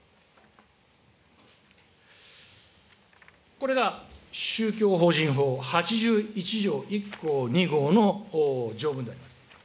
これが宗教法人法８１条１項２号の条文であります。